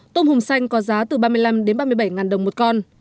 tôm hùm xanh có giá từ ba mươi năm đến ba mươi bảy đồng một con